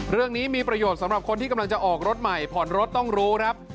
เรื่องนี้มีประโยชน์สำหรับคนที่กำลังจะออกรถใหม่ผ่อนรถต้องรู้ครับ